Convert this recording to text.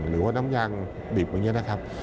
หรือน้ำยางดิบแบบนี้นะครับ